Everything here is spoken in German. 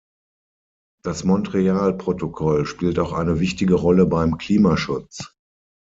Das Montreal-Protokoll spielt auch eine wichtige Rolle beim Klimaschutz.